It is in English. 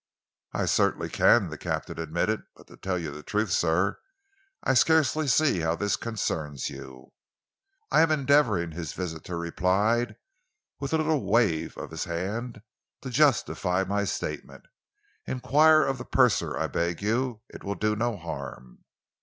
"I certainly can," the captain admitted, "but to tell you the truth, sir, I scarcely see how this concerns you." "I am endeavouring," his visitor replied, with a little wave of his hand, "to justify my statement. Enquire of the purser, I beg you. It will do no harm."